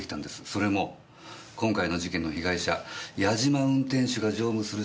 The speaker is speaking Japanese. それも今回の事件の被害者八嶋運転手が乗務する車両から４枚も。